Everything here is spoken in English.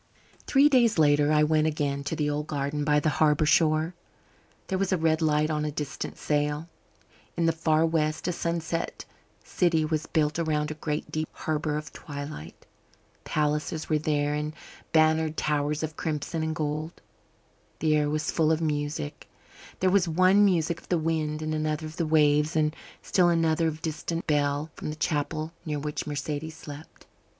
Three days later I went again to the old garden by the harbour shore. There was a red light on a distant sail. In the far west a sunset city was built around a great deep harbour of twilight. Palaces were there and bannered towers of crimson and gold. The air was full of music; there was one music of the wind and another of the waves, and still another of the distant bell from the chapel near which Mercedes slept.